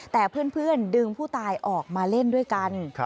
แต่เพื่อนดึงผู้ตายออกมาเล่นด้วยกัน